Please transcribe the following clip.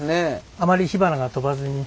あまり火花が飛ばずに。